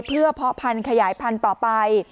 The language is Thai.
เพื่อเพาะพันธยายพันธุ์ต่อไป